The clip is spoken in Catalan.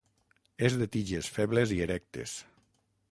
És de tiges febles i erectes.